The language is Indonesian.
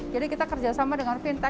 jadi kita kerjasama dengan fintech fintech